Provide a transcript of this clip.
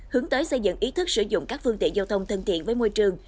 hướng tới xây dựng ý thức sử dụng các phương tiện giao thông thân thiện với môi trường